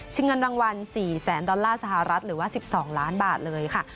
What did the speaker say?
เงินรางวัล๔แสนดอลลาร์สหรัฐหรือว่า๑๒ล้านบาทเลยค่ะ